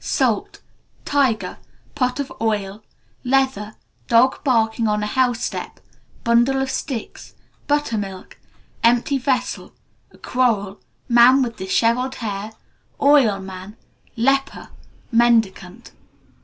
Salt. Tiger. Pot of oil. Leather. Dog barking on a housetop. Bundle of sticks. Buttermilk. Empty vessel. A quarrel. Man with dishevelled hair. Oilman. Leper. Mendicant.